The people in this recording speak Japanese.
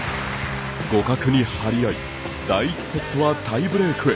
互角に張り合い第１セットはタイブレークへ。